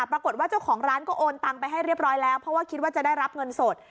ปรากฏว่าเจ้าของร้านก็โอนตังไปให้เรียบร้อยแล้วเพราะว่าคิดว่าจะได้รับเงินสด